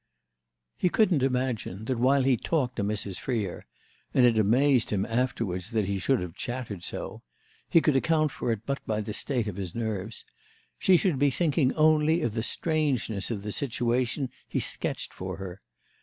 He couldn't imagine that while he talked to Mrs. Freer—and it amazed him afterwards that he should have chattered so; he could account for it but by the state of his nerves—she should be thinking only of the strangeness of the situation he sketched for her.